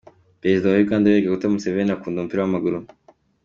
Perezida wa Uganda, Yoweri Kaguta Museveni akunda umupira w’amaguru.